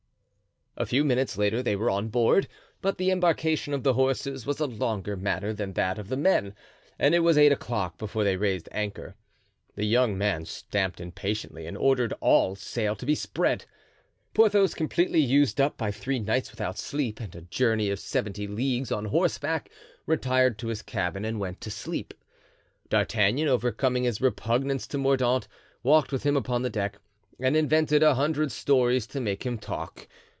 A few minutes later they were on board, but the embarkation of the horses was a longer matter than that of the men, and it was eight o'clock before they raised anchor. The young man stamped impatiently and ordered all sail to be spread. Porthos, completely used up by three nights without sleep and a journey of seventy leagues on horseback, retired to his cabin and went to sleep. D'Artagnan, overcoming his repugnance to Mordaunt, walked with him upon the deck and invented a hundred stories to make him talk.